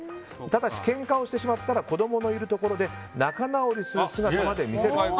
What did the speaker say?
ただし、けんかをしてしまったら子供のいるところで仲直りする姿まで見せると。